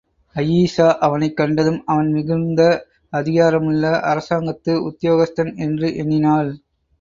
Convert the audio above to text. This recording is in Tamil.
அயீஷா அவனைக் கண்டதும், அவன் மிகுந்த அதிகாரமுள்ள அரசாங்கத்து உத்தியோகஸ்தன் என்று எண்ணினாள்.